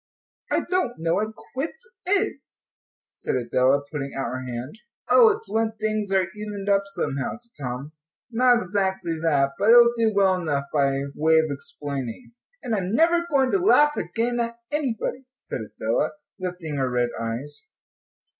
"I don't know what quits is," said Adela, putting out her hand. "Oh, it's when things are evened up somehow," said Tom; "not exactly that, but it will do well enough by way of explaining." "And I'm never going to laugh again at anybody," said Adela, lifting her red eyes.